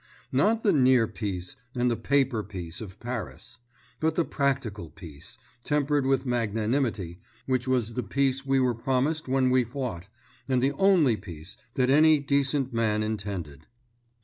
Not the "near" peace and the paper peace of Paris; but the practical peace, tempered with magnanimity, which was the peace we were promised when we fought, and the only peace that any decent man intended.